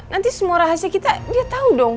nanti semua rahasia kita dia tahu dong